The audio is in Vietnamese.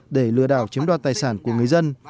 để lừa đảo chiếm đoạt tài sản của người dân